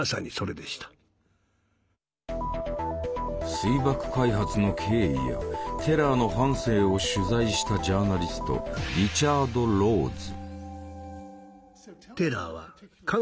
水爆開発の経緯やテラーの半生を取材したジャーナリストリチャード・ローズ。